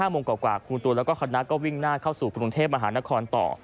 โมงกว่าครูตูนแล้วก็คณะก็วิ่งหน้าเข้าสู่กรุงเทพมหานครต่อ